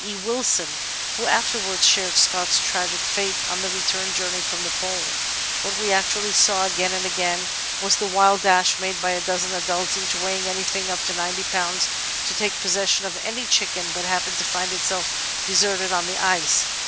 E. Wilson, who afterwards shared Scott's tragic fate on the return journey from the Pole: "What we actually saw, again and again, was the wild dash made by a dozen adults, each weighing anything up to ninety pounds, to take possession of any chicken that happened to find itself de serted on the ice.